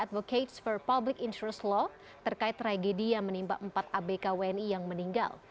advocates for public insures law terkait tragedi yang menimpa empat abk wni yang meninggal